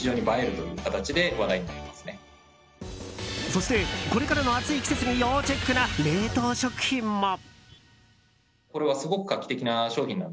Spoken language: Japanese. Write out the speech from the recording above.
そして、これからの暑い季節に要チェックな冷凍食品も。